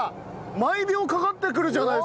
毎秒かかってくるじゃないですか。